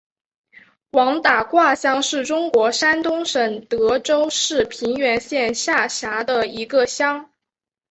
王打卦乡是中国山东省德州市平原县下辖的一个乡。